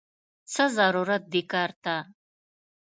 څه ضرورت دې کار ته!!